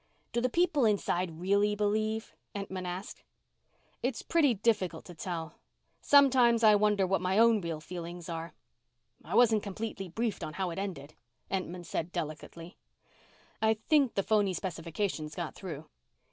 "Do the people inside really believe?" Entman asked. "It's pretty difficult to tell. Sometimes I wonder what my own real feelings are." "I wasn't completely briefed on how it ended," Entman said delicately. "I think the phony specifications got through."